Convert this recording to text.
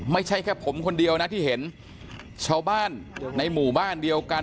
ไม่ใช่แค่ผมคนเดียวนะที่เห็นชาวบ้านในหมู่บ้านเดียวกัน